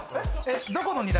どこの２択？